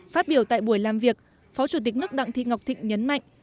phát biểu tại buổi làm việc phó chủ tịch nước đặng thị ngọc thịnh nhấn mạnh